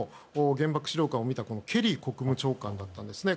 原爆資料館を見たケリー国務長官なんですね。